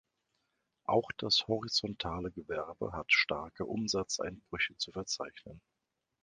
Auch das "horizontale Gewerbe" hat starke Umsatzeinbrüche zu verzeichnen.